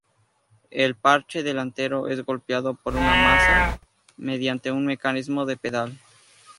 El parche delantero es golpeado por una maza, mediante un mecanismo de pedal.